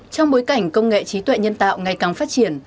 trong bối cảnh công nghệ trí tuệ nhân tạo ngày càng phát triển